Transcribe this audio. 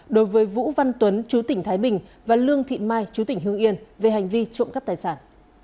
đối với vũ văn tuấn chú tỉnh thái bình và lương thị mai chú tỉnh hương yên về hành vi trộm cắp tài sản